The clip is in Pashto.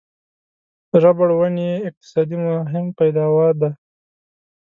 ربړ ونې یې اقتصادي مهم پیداوا دي.